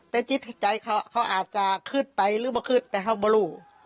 แต่จิตใจเขาเขาอาจจะขึ้นไปหรือมาขึ้นแต่เขาไม่รู้